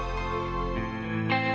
mohon sebut sesuatanya